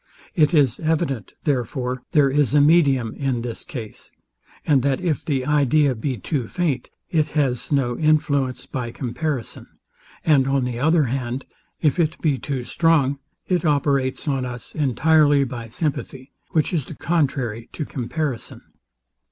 It is evident, therefore, there is a medium in this case; and that if the idea be too feint, it has no influence by comparison; and on the other hand, if it be too strong, it operates on us entirely by sympathy, which is the contrary to comparison.